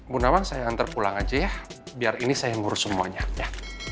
bu nawang saya hantar pulang aja ya biar ini saya ngurus semuanya ya